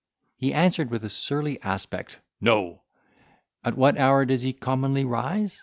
He answered with a surly aspect, "No." "At what hour does he commonly rise?"